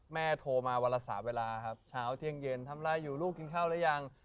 โทรมาวันละ๓เวลาครับเช้าเที่ยงเย็นทำอะไรอยู่ลูกกินข้าวหรือยัง